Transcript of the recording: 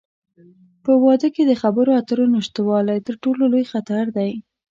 په واده کې د خبرو اترو نشتوالی، تر ټولو لوی خطر دی.